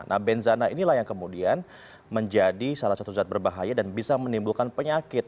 nah benzana inilah yang kemudian menjadi salah satu zat berbahaya dan bisa menimbulkan penyakit